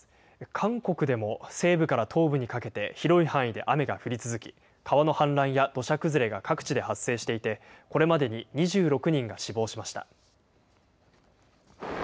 韓国でも西部から東部にかけて広い範囲で雨が降り続き、川の氾濫や土砂崩れが各地で発生していて、これまでに２６人が死亡しました。